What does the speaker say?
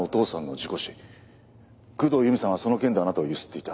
工藤由美さんはその件であなたを強請っていた。